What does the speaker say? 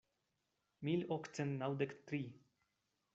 Mil okcent naŭdek tri.